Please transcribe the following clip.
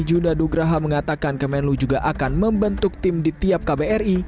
juna dugraha mengatakan kemenlu juga akan membentuk tim di tiap kbri